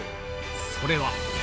それは。